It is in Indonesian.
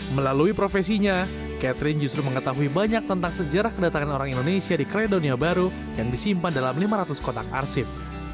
melalui profesinya catherine justru mengetahui banyak tentang sejarah kedatangan orang indonesia di kredonia baru yang disimpan dalam lima ratus kotak arsip